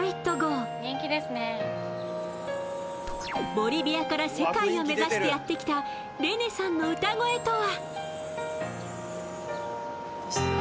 ボリビアから世界を目指してやってきたレネさんの歌声とは？